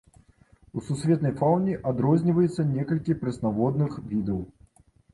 У сусветнай фаўне адрозніваецца некалькі прэснаводных відаў.